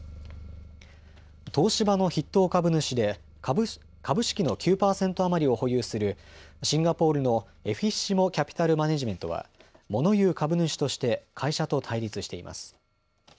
東芝の筆頭株主で株式の９％余りを保有するシンガポールのエフィッシモ・キャピタル・マネジメントはモノ言う株主として会社と対立しています。